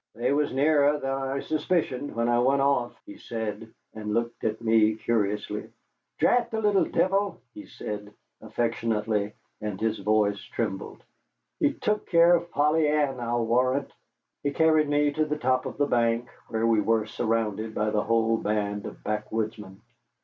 "They was nearer than I suspicioned when I went off," he said, and looked at me curiously. "Drat the little deevil," he said affectionately, and his voice trembled, "he took care of Polly Ann, I'll warrant." He carried me to the top of the bank, where we were surrounded by the whole band of backwoodsmen.